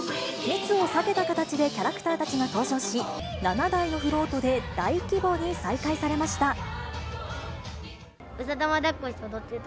密を避けた形でキャラクターたちが登場し、７台のフロートで大規模に再開されました。